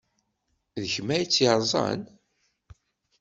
D kemm ay tt-yerẓan?